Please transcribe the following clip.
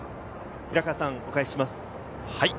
平川さんにお返しします。